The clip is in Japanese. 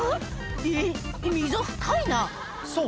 えっ溝深いなそう